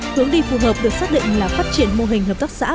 hướng đi phù hợp được xác định là phát triển mô hình hợp tác xã